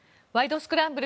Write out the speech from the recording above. スクランブル」